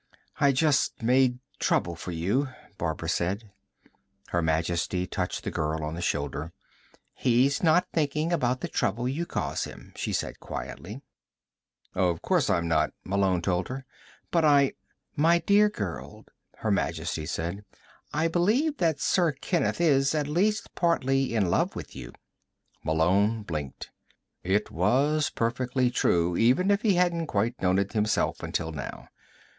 "I just made trouble for you," Barbara said. Her Majesty touched the girl on the shoulder. "He's not thinking about the trouble you cause him," she said quietly. "Of course I'm not," Malone told her. "But I " "My dear girl," Her Majesty said, "I believe that Sir Kenneth is, at least partly, in love with you." Malone blinked. It was perfectly true even if he hadn't quite known it himself until now.